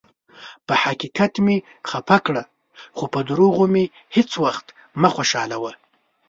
پۀ حقیقت مې خفه کړه، خو پۀ دروغو مې هیڅ ؤخت مه خوشالؤه.